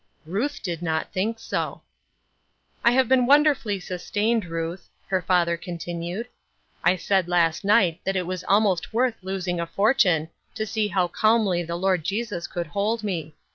Ruth did not think so. "I have been wonderfully sustained, Ruth, ' her father continued. " I said last night that it was almost worth losing a fortune to see how calmly the Lord Jesus could hold me.